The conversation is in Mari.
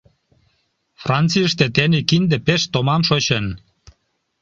Францийыште тений кинде пеш томам шочын.